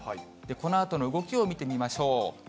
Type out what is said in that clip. このあとの動きを見てみましょう。